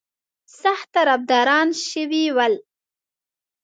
سخت طرفداران شوي ول.